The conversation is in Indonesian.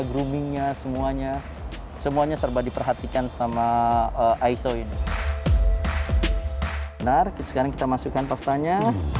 groomingnya semuanya serba diperhatikan sama iso ini benar sekarang kita masukkan pastanya